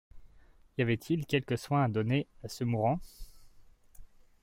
Y avait-il quelque soin à donner à ce mourant?